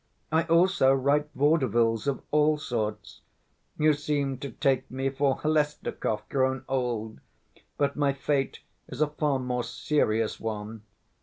'I also write vaudevilles of all sorts.' You seem to take me for Hlestakov grown old, but my fate is a far more serious one.